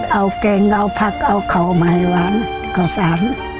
เอาแกงเอาผักเอาเขามาให้หวานข้าวสาร